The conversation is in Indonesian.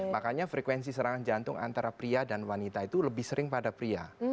makanya frekuensi serangan jantung antara pria dan wanita itu lebih sering pada pria